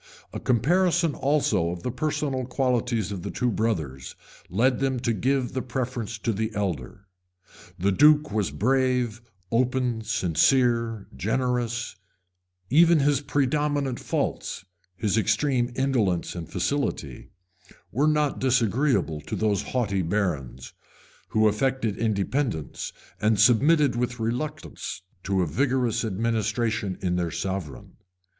A comparison also of the personal qualities of the two brothers led them to give the preference to the elder. The duke was brave, open, sincere, generous: even his predominant faults, his extreme indolence and facility, were not disagreeable to those haughty barons, who affected independence, and submitted with reluctance to a vigorous administration in their sovereign.